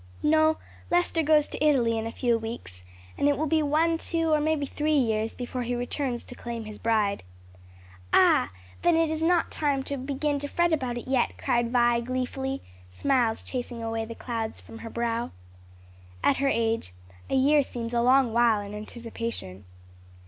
"No; Lester goes to Italy in a few weeks, and it will be one, two, or maybe three years before he returns to claim his bride." "Ah, then it is not time to begin to fret about it yet!" cried Vi, gleefully, smiles chasing away the clouds from her brow. At her age a year seems a long while in anticipation.